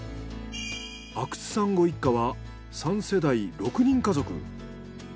阿久津さんご一家は３世代６人家族。